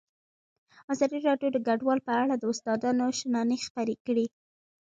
ازادي راډیو د کډوال په اړه د استادانو شننې خپرې کړي.